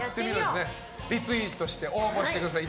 つけてリツイートして応募してください。